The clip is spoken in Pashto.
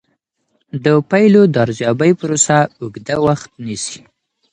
د پایلو د ارزیابۍ پروسه اوږده وخت نیسي.